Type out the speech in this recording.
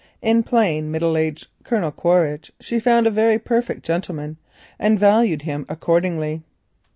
In plain, middle aged Colonel Quaritch she found a very perfect gentleman, and valued him accordingly.